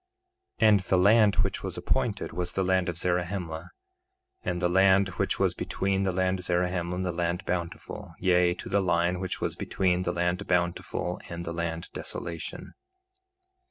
3:23 And the land which was appointed was the land of Zarahemla, and the land which was between the land Zarahemla and the land Bountiful, yea, to the line which was between the land Bountiful and the land Desolation.